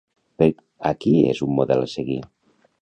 Per a qui és un model a seguir?